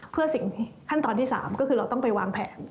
เพื่อสิ่งขั้นตอนที่๓ก็คือเราต้องไปวางแผน